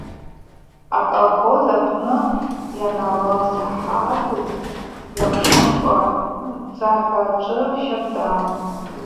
Аколхоз апны, йналалсахӏатыз йапшхымкӏва, цӏахӏвачӏвы щардан.